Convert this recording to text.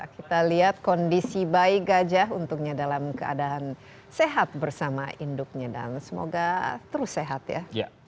kita lihat kondisi bayi gajah untungnya dalam keadaan sehat bersama induknya dan semoga terus sehat ya